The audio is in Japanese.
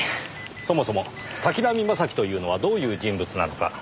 そもそも滝浪正輝というのはどういう人物なのか。